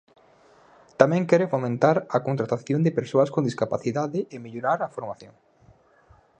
Tamén quere fomentar a contratación de persoas con discapacidade e mellorar a formación.